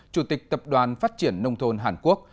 chủ tịch tập đoàn phát triển nông thôn hàn quốc